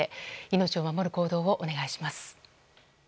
命を守る行動をお願いします。